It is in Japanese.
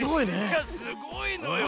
いやすごいのよ。